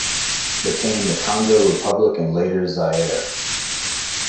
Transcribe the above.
Became the Congo Republic and later Zaire.